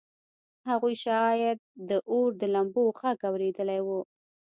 هغوی شاید د اور د لمبو غږ اورېدلی و